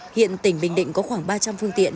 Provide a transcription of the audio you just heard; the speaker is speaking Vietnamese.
hiện tỉnh bình định có khoảng ba trăm linh phương tiện